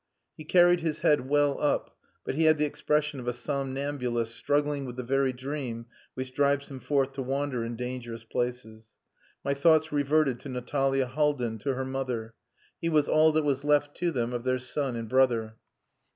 He carried his head well up, but he had the expression of a somnambulist struggling with the very dream which drives him forth to wander in dangerous places. My thoughts reverted to Natalia Haldin, to her mother. He was all that was left to them of their son and brother.